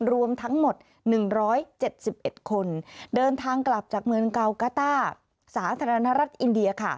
รวมทั้งหมด๑๗๑คนเดินทางกลับจากเมืองเกากาต้าสาธารณรัฐอินเดีย